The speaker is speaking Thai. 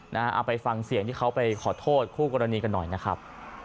เอาไปฟังเสียงที่เขาไปขอโทษคู่กรณีกันหน่อยนะครับ